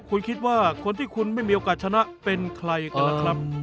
คุณคิดว่าคนที่คุณไม่มีโอกาสชนะเป็นใครกันนะครับ